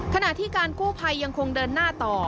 ขณะที่การกู้ภัยยังคงเดินหน้าต่อ